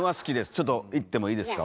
ちょっといってもいいですか？